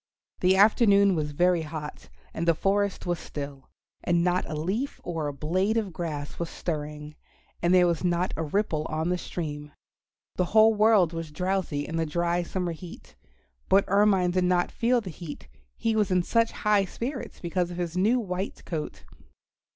The afternoon was very hot, and the forest was still, and not a leaf or a blade of grass was stirring, and there was not a ripple on the stream. The whole world was drowsy in the dry summer heat. But Ermine did not feel the heat, he was in such high spirits because of his new white coat.